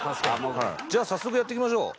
じゃあ早速やっていきましょう。